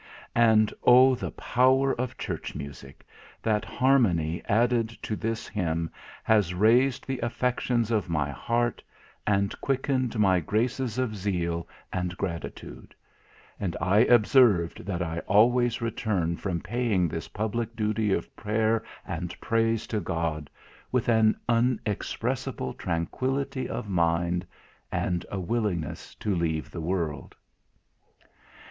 And, O the power of church music! that harmony added to this hymn has raised the affections of my heart, and quickened my graces of zeal and gratitude; and I observe that I always return from paying this public duty of prayer and praise to God, with an unexpressible tranquillity of mind, and a willingness to leave the world."